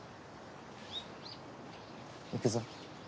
行くぞ。